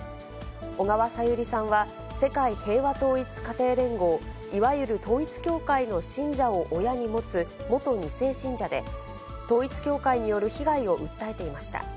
小川さゆりさんは、世界平和統一家庭連合、いわゆる統一教会の信者を親に持つ元２世信者で、統一教会による被害を訴えていました。